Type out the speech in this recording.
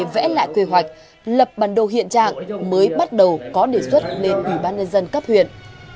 vẽ lại quy hoạch lập bản đồ hiện trạng mới bắt đầu có đề xuất lên ủy ban nhân dân cấp huyện